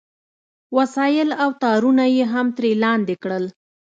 وسایل او تارونه یې هم ترې لاندې کړل